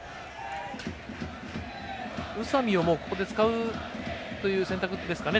宇佐見をここで使うという選択ですかね。